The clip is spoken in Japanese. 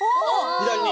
左に。